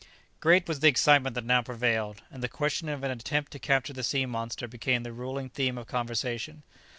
Great was the excitement that now prevailed, and the question of an attempt to capture the sea monster became the ruling theme of conversation.